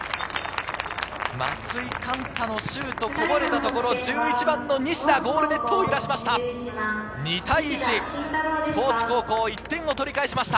松井貫太のシュートこぼれたところ、１１番の西田がゴールネットを揺らしました。